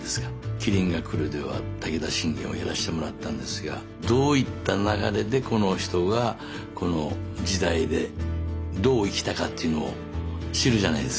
「麒麟がくる」では武田信玄をやらしてもらったんですがどういった流れでこの人がこの時代でどう生きたかっていうのを知るじゃないですか。